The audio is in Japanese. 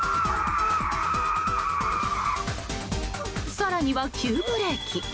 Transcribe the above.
更には、急ブレーキ。